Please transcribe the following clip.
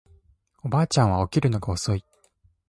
おばあちゃんは起きるのが遅い